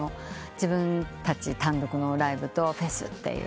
自分たち単独のライブとフェス。